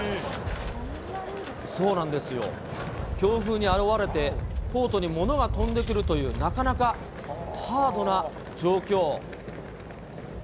そうなんですよ、強風にあおられて、コートに物が飛んでくるという、なかなかハードな状況。